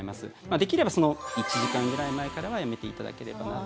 できれば１時間ぐらい前からはやめていただければなと。